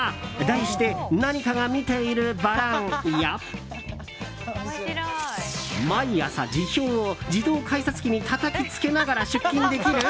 題して何かが見ているバランや毎朝、辞表を自動改札機にたたきつけながら出勤できる？